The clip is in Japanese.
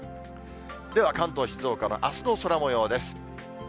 では関東、静岡のあすの空もようです。